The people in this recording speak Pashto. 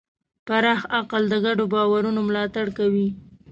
پراخ عقل د ګډو باورونو ملاتړ کوي.